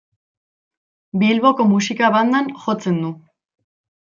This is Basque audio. Bilboko musika bandan jotzen du.